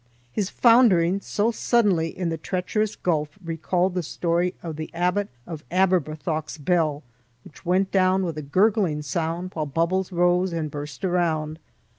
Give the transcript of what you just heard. His foundering so suddenly in the treacherous gulf recalled the story of the Abbot of Aberbrothok's bell, which went down with a gurgling sound while bubbles rose and burst around.